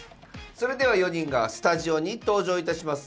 それでは４人がスタジオに登場いたします。